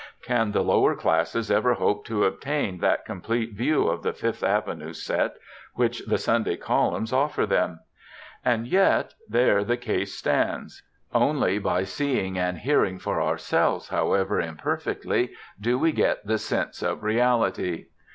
Can the lower classes ever hope to obtain that complete view of the Fifth Avenue set which the Sunday columns offer them? And yet there the case stands: only by seeing and hearing for ourselves, however imperfectly, do we get the sense of reality.